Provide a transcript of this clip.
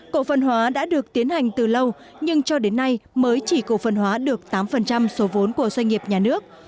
cộ phân hóa đã được tiến hành từ lâu nhưng cho đến nay mới chỉ cổ phân hóa được tám số vốn của doanh nghiệp nhà nước